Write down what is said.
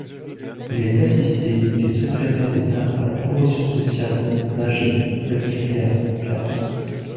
Il est assisté d’une secrétaire d’État à la Promotion sociale, Najeh Belkhiria Karoui.